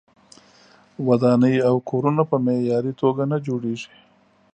ودانۍ او کورونه په معیاري توګه نه جوړیږي.